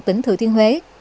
tỉnh thừa thiên huế